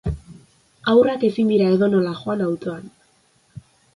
Haurrak ezin dira edonola joan autoan.